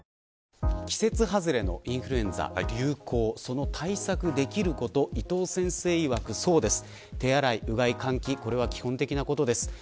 季節外れのインフルエンザ流行、その対策できること伊藤先生いわくこちらです。